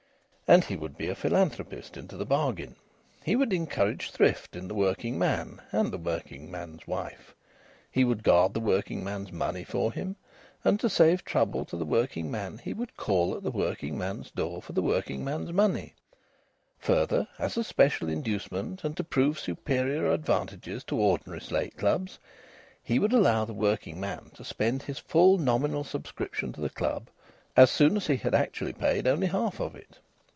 And he would be a philanthropist into the bargain. He would encourage thrift in the working man and the working man's wife. He would guard the working man's money for him; and to save trouble to the working man he would call at the working man's door for the working man's money. Further, as a special inducement and to prove superior advantages to ordinary slate clubs, he would allow the working man to spend his full nominal subscription to the club as soon as he had actually paid only half of it.